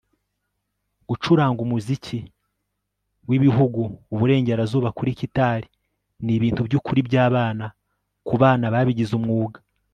Gucuranga umuziki wibihuguuburengerazuba kuri gitari ni ibintu byukuri byabana kubana babigize umwuga